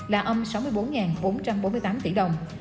là âm sáu mươi bốn tỷ đồng